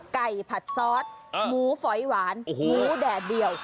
ไก่ผัดซอสหมูฝอยหวานหมูแดดเดี่ยว